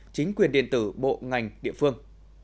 chính quyền điện tử bộ ngành địa phương